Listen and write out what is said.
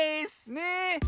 ねえ。